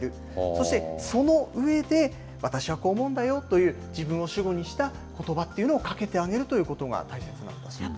そして、その上で、私はこう思うんだよという、自分を主語にしたことばっていうのをかけてあげるということが大切なんだそうです。